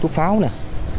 thuốc pháo này